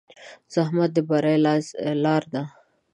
زحمت د بری لاره ده.